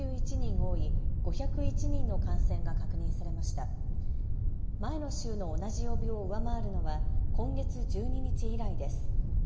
前の週の同じ曜日を上回るのは今月１２日以来です。